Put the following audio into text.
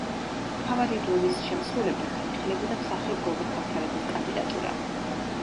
მთავარი როლის შემსრულებლად განიხილებოდა მსახიობ გოგი ქავთარაძის კანდიდატურა.